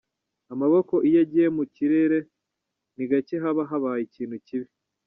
Amaboko iyo agiye mu kirere ni gake haba habaye ikintu kibi.